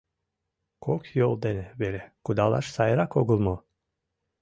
– Кок йол дене веле кудалаш сайрак огыл мо.